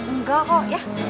enggak kok ya